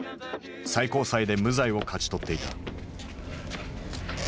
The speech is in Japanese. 最高裁で無罪を勝ち取っていた。